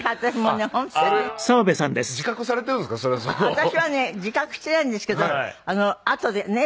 私はね自覚してないんですけどあとでね